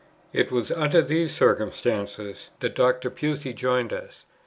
It was under these circumstances, that Dr. Pusey joined us.